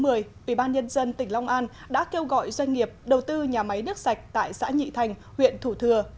ủy ban nhân dân tỉnh long an đã kêu gọi doanh nghiệp đầu tư nhà máy nước sạch tại xã nhị thành huyện thủ thừa